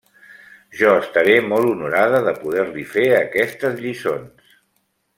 Jo estaré molt honorada de poder fer-li aquestes lliçons.